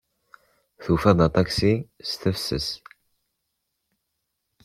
Tufiḍ-d aṭaksi s tefses.